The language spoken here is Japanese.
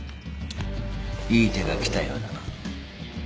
いい手が来たようだな。